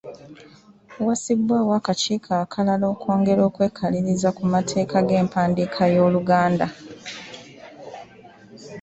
Wassibwawo akakiiko akalala okwongera okwekaliriza amateeka g’empandiika y’Oluganda.